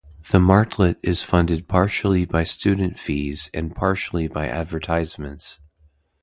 The "Martlet" is funded partially by student fees, and partially by advertisements.